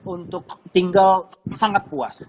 untuk tinggal sangat puas